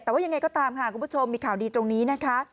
แต่ว่ายังไงก็ตามค่ะคุณผู้ชมมีข่าวดีตรงนี้นะคะ